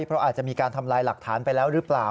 เพราะอาจจะมีการทำลายหลักฐานไปแล้วหรือเปล่า